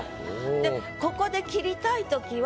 でここで切りたい時は